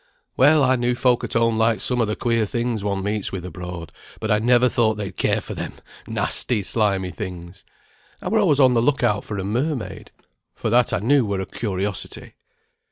"Well, I knew folk at home liked some o' the queer things one meets with abroad; but I never thought they'd care for them nasty slimy things. I were always on the look out for a mermaid, for that I knew were a curiosity."